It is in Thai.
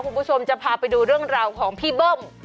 คุณผู้ชมจะพาไปดูเรื่องราวของพี่เบิ้ม